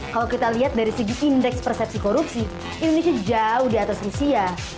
kalau kita lihat dari segi indeks persepsi korupsi indonesia jauh di atas rusia